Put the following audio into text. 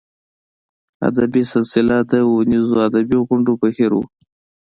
ادبي سلسله د اوونیزو ادبي غونډو بهیر و.